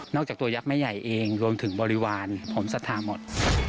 จากตัวยักษ์แม่ใหญ่เองรวมถึงบริวารผมศรัทธาหมด